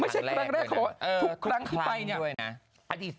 ไม่ใช่เป็นครั้งนี้ครั้งแรกนะพอทุกครั้งที่ไปด้วยนะวันนี้ล่ะ